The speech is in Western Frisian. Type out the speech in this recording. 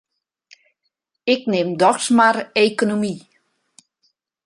Ik nim dochs mar ekonomy.